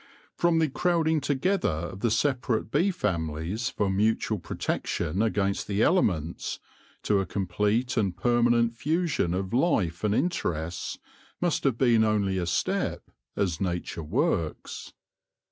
From the crowding together of the separate bee families for mutual protection against the elements, to a complete and permanent fusion of life and interests, must have been only a step, as Nature works.